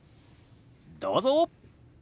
どうぞ！